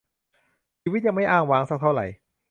ชีวิตยังไม่อ้างว้าง สักเท่าไร